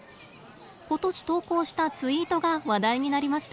ことし投稿したツイートが話題になりました。